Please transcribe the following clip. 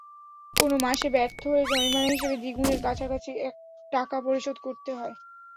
কোনো মাসে ব্যর্থ হলে জরিমানা হিসেবে দ্বিগুণের কাছাকাছি টাকা পরিশোধ করতে হয়।